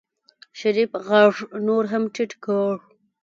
شريف غږ نور هم ټيټ کړ.